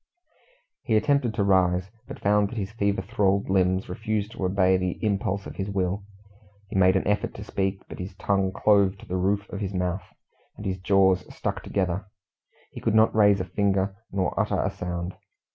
He attempted to rise, but found that his fever thralled limbs refused to obey the impulse of his will. He made an effort to speak, but his tongue clove to the roof of his mouth, and his jaws stuck together. He could not raise a finger nor utter a sound.